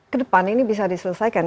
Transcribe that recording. kedepan ini bisa diselesaikan